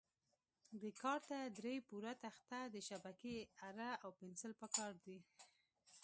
دې کار ته درې پوره تخته، د شبکې اره او پنسل په کار دي.